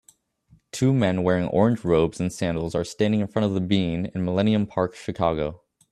Two men wearing orange robes and sandals are standing in front of the Bean in Millenium Park Chicago